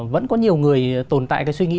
vẫn có nhiều người tồn tại cái suy nghĩ